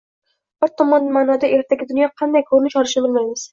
Biz tom ma’noda ertaga dunyo qay ko‘rinish olishini bilmaymiz